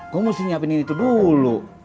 gue mesti nyiapin ini dulu